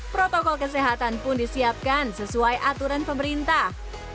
protokol kesehatan pun disiapkan sesuai aturan pemerintah